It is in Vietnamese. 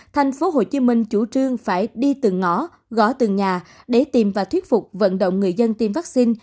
thành phố hồ chí minh chủ trương phải đi từng ngõ gõ từng nhà để tìm và thuyết phục vận động người dân tiêm vaccine